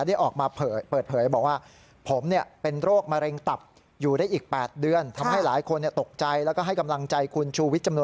ได้ออกมาเปิดเผยบอกว่า